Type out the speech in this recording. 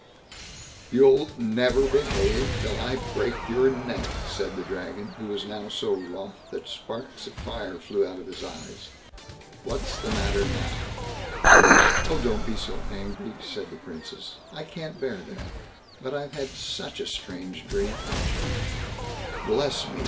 "You'll never behave till I break your neck", said the Dragon, who was now so wroth that sparks of fire flew out of his eyes. "What's the matter now?" "Oh, don't be so angry", said the Princess; "I can't bear that; but I've had such a strange dream." "Bless me!"